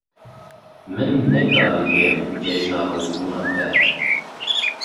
Min nekarî bêm cejna rojbûna te.